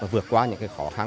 vượt qua những khó khăn